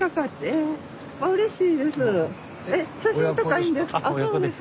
え写真とかいいんです。